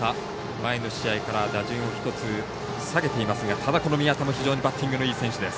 前の試合から打順を１つ下げていますがただ、宮田も非常にバッティングのいい選手です。